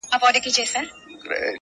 په غمونو پسي تل د ښادۍ زور وي!!